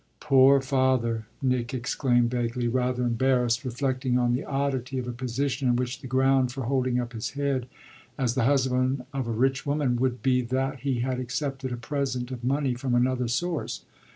"Poor father!" Nick exclaimed vaguely, rather embarrassed, reflecting on the oddity of a position in which the ground for holding up his head as the husband of a rich woman would be that he had accepted a present of money from another source.